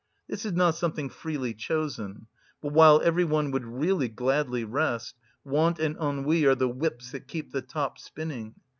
This is not something freely chosen; but while every one would really gladly rest, want and ennui are the whips that keep the top spinning.